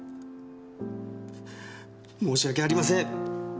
申し訳ありません。